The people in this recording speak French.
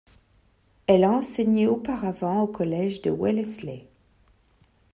Elle a enseigné auparavant au Collège de Wellesley.